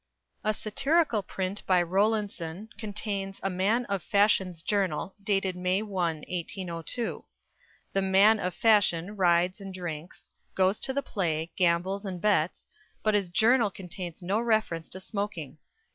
A satirical print by Rowlandson contains A Man of Fashion's Journal, dated May 1, 1802. The "man of fashion" rides and drinks, goes to the play, gambles and bets, but his journal contains no reference to smoking.